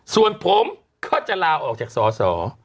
ส่วนผมก็จะลาออกจากสอสอ